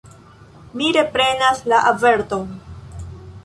Mi reprenas la averton.